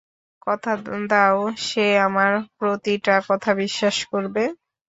কথা দাও যে আমার প্রতিটা কথা বিশ্বাস করবে?